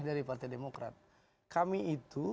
dari partai demokrat kami itu